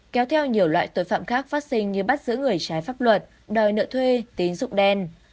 kéo theo nhiều loại tội phạm khác phát sinh như bắt giữ người trái pháp luật đòi nợ thuê tín dụng đen